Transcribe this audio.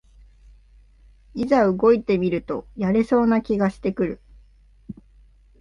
いざ動いてみるとやれそうな気がしてくる